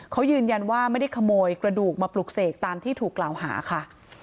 เขายืนยันว่าไม่ได้ขโมยกระดูกมาปลุกเสกตามที่ถูกกล่าวหาค่ะ